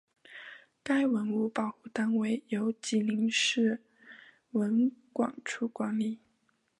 该文物保护单位由吉林市文管处管理。